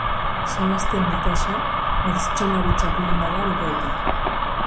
Sebastian Lizaso bertsolari txapelduna da bere aita.